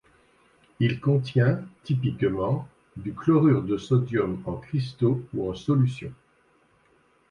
Il contient, typiquement, du chlorure de sodium en cristaux ou en solution.